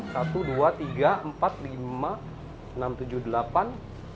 satu dua tiga empat lima enam tujuh delapan